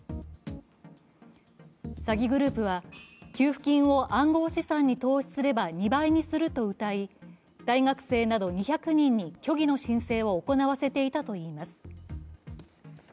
詐欺グループは給付金を暗号資産に投資すれば２倍にするとうたい、大学生など２００人に虚偽の申請を行わせていたといいます。